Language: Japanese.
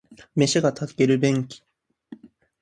飯が炊ける便器